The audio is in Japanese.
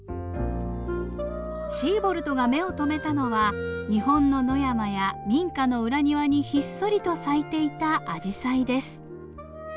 シーボルトが目を留めたのは日本の野山や民家の裏庭にひっそりと咲いていたアジサイです。